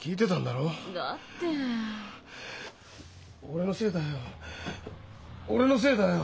俺のせいだよ俺のせいだよ！